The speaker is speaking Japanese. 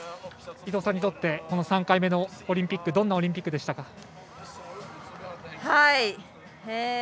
伊藤さんにとってこの３回目のオリンピックはどんなオリンピックでしたか？